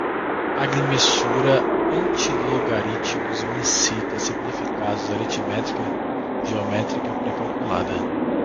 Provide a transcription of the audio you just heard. agrimensura, antilogaritmos, mantissa, significandos, aritmética-geométrica, pré-calculada